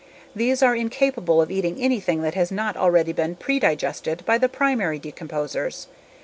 These are incapable of eating anything that has not already been predigested by the primary decomposers.